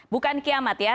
bukan kiamat ya